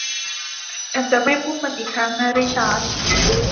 ฉันจะไม่พูดมันอีกครั้งนะริชาร์ด